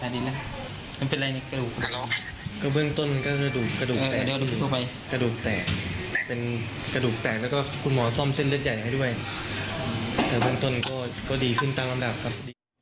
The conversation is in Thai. แต่เบื้องต้นก็ดีขึ้นตามลำดับครับ